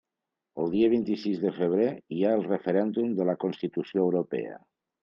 El dia vint-i-sis de febrer hi ha el referèndum de la Constitució europea.